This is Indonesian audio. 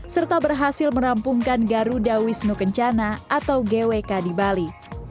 serta berhasil merampungkan garuda wisnu kencana atau gwk di bali